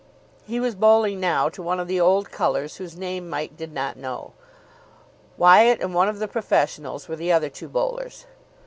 He was bowling now to one of the old colours whose name Mike did not know. Wyatt and one of the professionals were the other two bowlers.